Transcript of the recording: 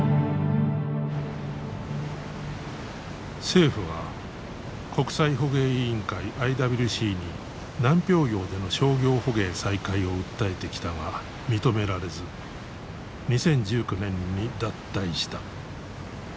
政府は国際捕鯨委員会ＩＷＣに南氷洋での商業捕鯨再開を訴えてきたが認められず２０１９年に脱退した。